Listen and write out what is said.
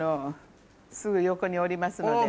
すぐ横におりますので。